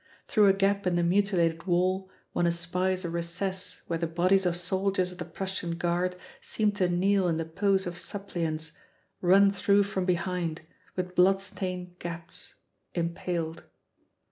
Through a gap in the mutilated wall one espies a recess where the bodies of soldiers of the Prussian Guard seem to kneel in the pose of suppliants, run through from behind, with blood stained gaps, impaled.